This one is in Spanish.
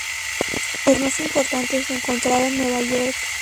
El más importante se encontraba en Nueva York.